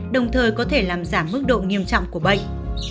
đồng thời có thể làm giảm mức độ nghiêm trọng của bệnh